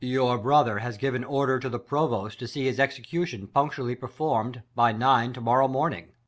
Your brother has given order to the Provost, To see hLs execution punctually Perform'd, by nine to morrow morning.